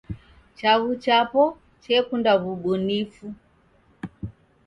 Chaghu chapo chekunda w'ubunifu.